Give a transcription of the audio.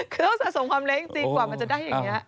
คือต้องสะสมความเล็กจริงกว่ามันจะได้อย่างนี้